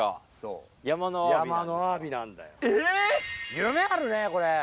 夢あるねこれ。